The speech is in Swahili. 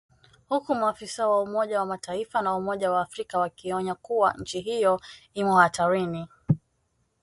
huku maafisa wa Umoja wa Mataifa na Umoja wa Afrika wakionya kuwa nchi hiyo imo hatarini